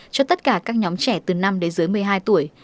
cho tất cả các nhóm trẻ từ năm đến dưới một mươi hai tuổi